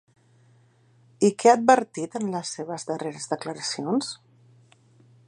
I què ha advertit en les seves darreres declaracions?